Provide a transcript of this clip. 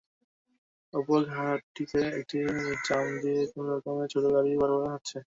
অপর ঘাটটিতে একটি র্যাম দিয়ে কোনো রকমে ছোট গাড়ি পারাপার হচ্ছে।